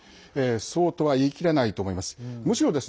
そうとは言いきれないと思います。